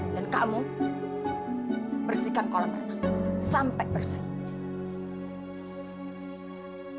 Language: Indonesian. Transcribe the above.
kamu bersihkan kolam renang sampai bersih